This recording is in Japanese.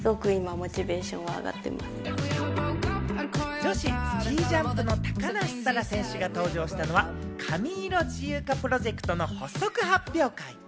女子スキージャンプの高梨沙羅選手が登場したのは髪色自由化プロジェクトの発足発表会。